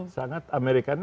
sangat amerika ini